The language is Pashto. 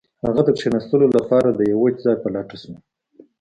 هغه د کښیناستلو لپاره د یو وچ ځای په لټه شو